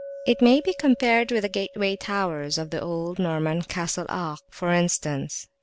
They may be compared with the gateway towers of the old Norman castles Arques, for instance.